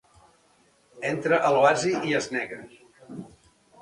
Entra a l'oasi i es nega.